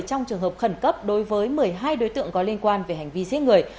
trong trường hợp khẩn cấp đối với một mươi hai đối tượng có liên quan về hành vi giết người